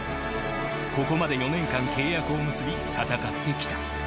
ここまで４年間契約を結び戦ってきた。